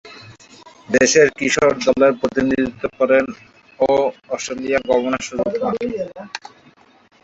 দেশের কিশোর দলের প্রতিনিধিত্ব করেন ও অস্ট্রেলিয়া গমনের সুযোগ পান।